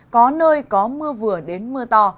có nơi có mưa vừa đến mưa to